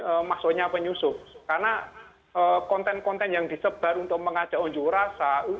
karena konten konten yang disebar untuk mengajak unjuk rasa